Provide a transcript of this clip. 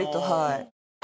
はい。